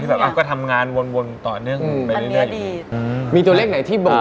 แต่เพราะตัวเค้าเองเป็นการเข้าสังคม